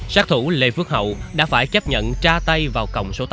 sát thủ lê phước hậu đã phải chấp nhận tra tay vào cổng số tám